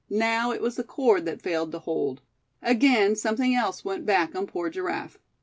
Now it was the cord that failed to hold; again something else went back on poor Giraffe.